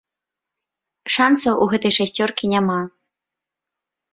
Шансаў у гэтай шасцёркі няма.